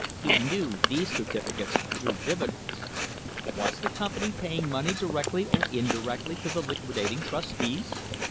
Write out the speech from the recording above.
He knew these certificates drew dividends. Was the company paying money directly or indirectly to the liqui dating trustees?